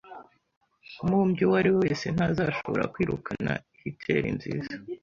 Umubumbyi uwo ari we wese, ntazashobora kwirukana hitteri nziza.